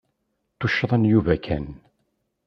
D tuccḍa n Yuba kan.